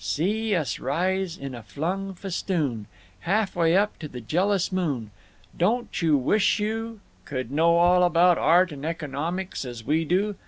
"See us rise in a flung festoon Half way up to the jealous moon. Don't you wish you— could know all about art and economics as we do?